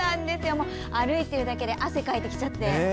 歩いてるだけで汗かいてきちゃって。